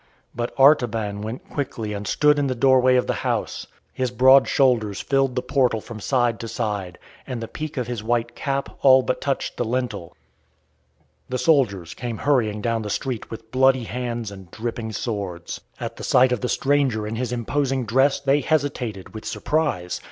But Artaban went quickly and stood in the doorway of the house. His broad shoulders filled the portal from side to side, and the peak of his white cap all but touched the lintel. [Illustration: "THERE IS NONE HERE SAVE ME"] The soldiers came hurrying down the street with bloody hands and dripping swords. At the sight of the stranger in his imposing dress they hesitated with surprise.